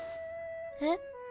えっ？